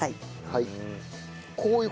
はい。